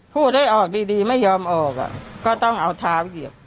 พูดให้ออกดีไม่ยอมออกก็ต้องเอาเท้าเหยียบ